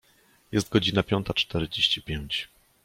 Jest godzina piąta czterdzieści pięć.